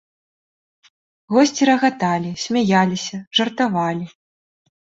Госці рагаталі, смяяліся, жартавалі.